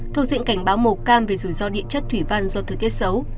thuộc diện cảnh báo màu cam về rủi ro địa chất thủy văn do thời tiết xấu